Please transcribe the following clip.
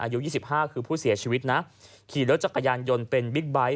อายุ๒๕คือผู้เสียชีวิตนะขี่รถจักรยานยนต์เป็นบิ๊กไบท์